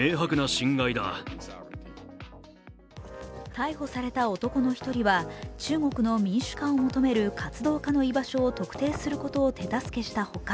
逮捕された男の一人は中国の民主化を求める活動家の居場所を特定することを手助けしたほか、